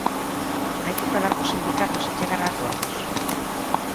¿Hai que falar cos sindicatos e chegar a acordos?